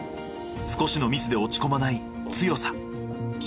少しのミスで落ち込まない強さ。